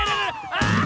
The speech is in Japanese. ああ！